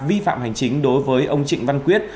vi phạm hành chính đối với ông trịnh văn quyết